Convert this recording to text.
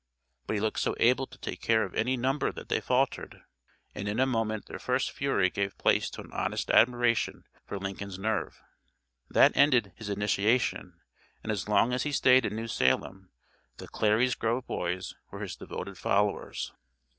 But he looked so able to take care of any number that they faltered, and in a moment their first fury gave place to an honest admiration for Lincoln's nerve. That ended his initiation, and as long as he stayed in New Salem the "Clary's Grove Boys" were his devoted followers.